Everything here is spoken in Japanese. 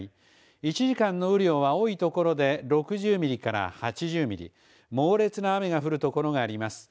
１時間の雨量は多い所で６０ミリから８０ミリ猛烈な雨が降る所があります。